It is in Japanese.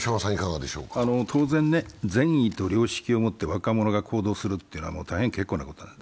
当然、善意と良識を持って若者が行動するって大変結構なことなんです。